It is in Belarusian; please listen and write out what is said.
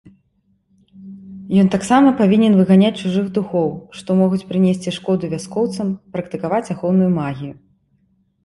Ён таксама павінен выганяць чужых духоў, што могуць прынесці шкоду вяскоўцам, практыкаваць ахоўную магію.